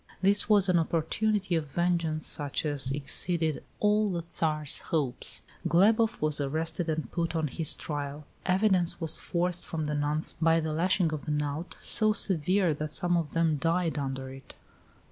This was an opportunity of vengeance such as exceeded all the Tsar's hopes. Glebof was arrested and put on his trial. Evidence was forced from the nuns by the lashing of the knout, so severe that some of them died under it.